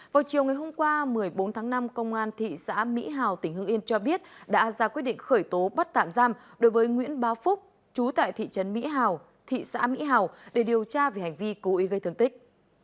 vào chiều ngày hôm qua một mươi bốn tháng năm công an thị xã mỹ hào tỉnh hưng yên cho biết đã ra quyết định khởi tố bắt tạm giam đối với nguyễn ba phúc chú tại thị trấn mỹ hào thị xã mỹ hào để điều tra về hành vi cố ý gây thương tích